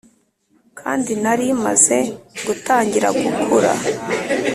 kandi nari maze gutangira gukura,